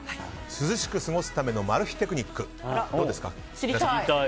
涼しく過ごすためのマル秘テクニック、どうですか？